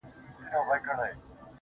دغه د اور ځنځير ناځوانه ځنځير,